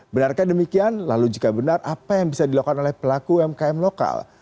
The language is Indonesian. benarkah demikian lalu jika benar apa yang bisa dilakukan oleh pelaku umkm lokal